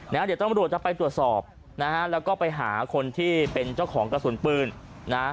เดี๋ยวตำรวจจะไปตรวจสอบนะฮะแล้วก็ไปหาคนที่เป็นเจ้าของกระสุนปืนนะ